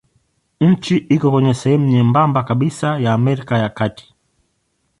Nchi iko kwenye sehemu nyembamba kabisa ya Amerika ya Kati.